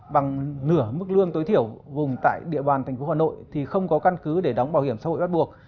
bằng nửa mức lương tối thiểu vùng tại địa bàn thành phố hà nội thì không có căn cứ để đóng bảo hiểm xã hội bắt buộc